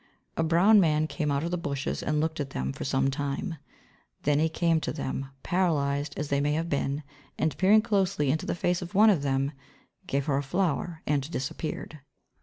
A brown man came out of the bushes and looked at them for some time. Then he came to them, paralysed as they may have been, and peering closely into the face of one of them gave her a flower and disappeared.